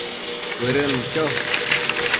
Cuëdënnu cho